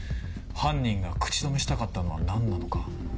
犯人が口止めしたかったのは何なのか。